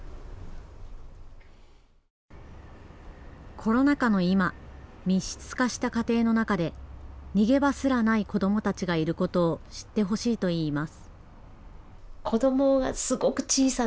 コロナ禍の今、密室化した家庭の中で逃げ場すらない子どもたちがいることを知ってほしいといいます。